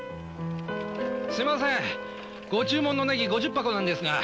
すいませんご注文のネギ５０箱なんですが。